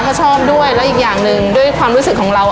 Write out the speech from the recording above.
ก็ชอบด้วยแล้วอีกอย่างหนึ่งด้วยความรู้สึกของเรา